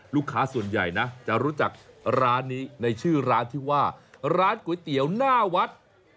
ลูกค้าส่วนใหญ่นะจะรู้จักร้านนี้ในชื่อร้านที่ว่าร้านก๋วยเตี๋ยวหน้าวัด